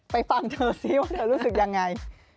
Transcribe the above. ฟังเธอสิว่าเธอรู้สึกยังไง